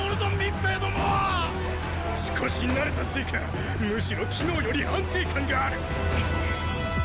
少し慣れたせいかむしろ昨日より安定感がある！